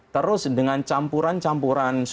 terus dengan campuran campuran